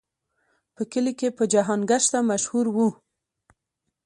په کلي کې په جهان ګشته مشهور و.